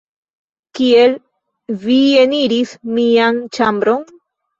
Kiel vi eniris mian ĉambron?